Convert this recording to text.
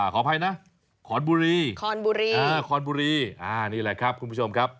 ขออภัยนะขอนบุรีคอนบุรีเออคอนบุรีนี่แหละครับคุณผู้ชมครับ